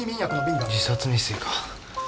自殺未遂か。